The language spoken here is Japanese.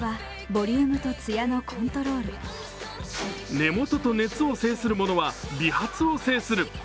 根元と熱を制するものは美髪を制する。